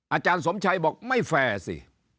อาจารย์สมชัยบอกไม่แฟร์สิ